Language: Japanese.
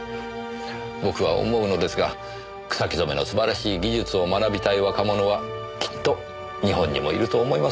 僕は思うのですが草木染めのすばらしい技術を学びたい若者はきっと日本にもいると思いますよ。